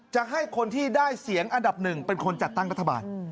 จะให้คนที่ได้เสียงอันดับหนึ่งเป็นคนจัดตั้งรัฐบาล